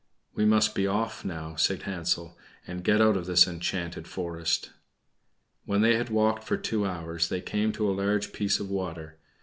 "We must be off now," said Hansel, "and get out of this enchanted forest." When they had walked for two hours they came to a large piece of water.